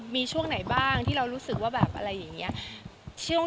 มีช่วงไหนบ้างที่เรารู้สึกว่าแบบอะไรอย่างนี้